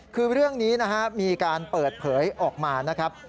คือเรื่องนี้นะฮะมีการเปิดเผยออกมานะครับ